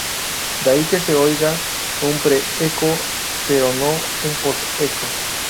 De ahí que se oiga un pre-eco, pero no un post-eco.